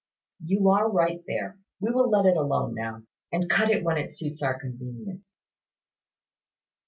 "You are right there. We will let it alone now, and cut it when it suits our convenience."